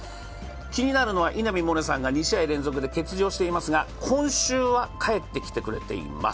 気になるのは稲見萌寧さんが２試合連続で欠場していますが、今週は帰ってきてくれています。